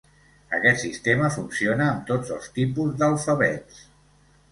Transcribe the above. Aquest sistema funciona amb tots els tipus d'alfabets.